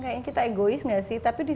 kayaknya kita egois gak sih tapi di